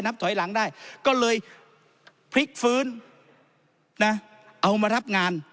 ถอยหลังได้ก็เลยพลิกฟื้นนะเอามารับงาน